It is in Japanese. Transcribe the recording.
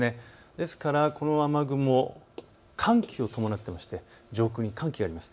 ですからこの雨雲、寒気を伴っていて上空に寒気があります。